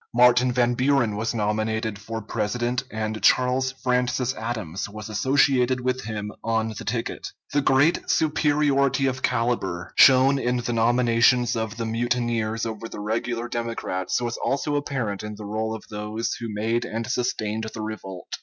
Martin Van Buren was nominated for President, and Charles Francis Adams was associated with him on the ticket. The great superiority of caliber shown in the nominations of the mutineers over the regular Democrats was also apparent in the roll of those who made and sustained the revolt.